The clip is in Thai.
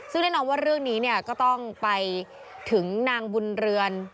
ซึ่งแน่นอนว่าเรื่องนี้เนี่ยก็ต้องไปถึงนางบุญเรือน